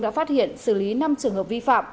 đã phát hiện xử lý năm trường hợp vi phạm